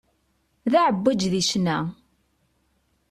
D aεebbwaj di ccna.